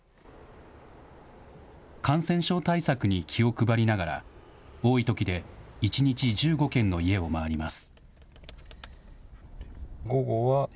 感染症対策に気を配りながら、多いときで１日１５件の家を回ります。